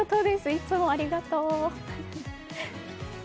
いつもありがとう。